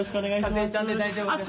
かずえちゃんで大丈夫ですよ。